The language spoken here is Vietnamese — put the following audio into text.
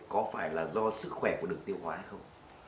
có phải là do sức khỏe có đường tiêu hóa hay không